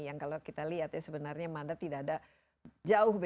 yang kalau kita lihat ya sebenarnya mada tidak ada jauh